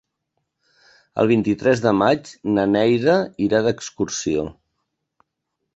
El vint-i-tres de maig na Neida irà d'excursió.